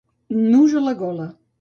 Nus a la gola.